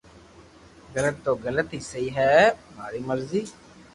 غلط تو غلط ھي سھي ھي ماري مرزي